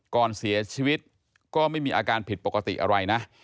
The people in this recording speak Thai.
ก่อนเสียชีวิตก็ไม่มีอาการผิดปกติอะไรนะ